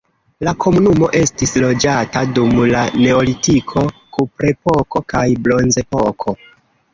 La komunumo estis loĝata dum la neolitiko, kuprepoko kaj bronzepoko.